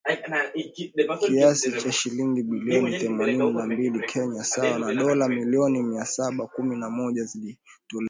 Kiasi cha shilingi bilioni themanini na mbili za Kenya sawa na dola milioni mia saba kumi na moja zilitolewa kwa makampuni hayo Jumatatu kulipa sehemu ya deni hilo